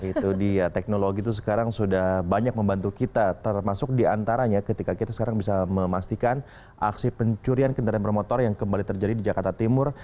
itu dia teknologi itu sekarang sudah banyak membantu kita termasuk diantaranya ketika kita sekarang bisa memastikan aksi pencurian kendaraan bermotor yang kembali terjadi di jakarta timur